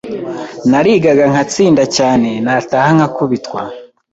Narigaga nkatsinda cyane nataha nkakubitwa